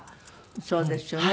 そうですよね。